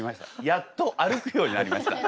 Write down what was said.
やっと歩くようになりました。